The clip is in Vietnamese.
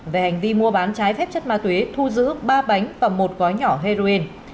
về hành vi mua bán trái phép chất ma túy thu giữ ba bánh và một gói nhỏ heroin